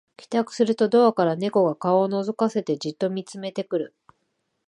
帰宅するとドアから猫が顔をのぞかせてじっと見つめてくる